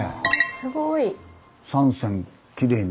すごい。